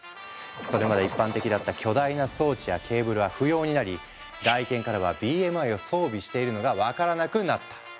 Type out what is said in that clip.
それまで一般的だった巨大な装置やケーブルは不要になり外見からはＢＭＩを装備しているのが分からなくなった。